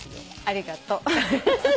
ありがとう。